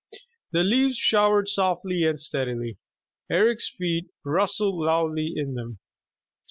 The leaves showered softly and steadily. Eric's feet rustled loudly in them.